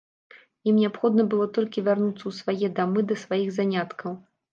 Ім неабходна было толькі вярнуцца ў свае дамы, да сваіх заняткаў.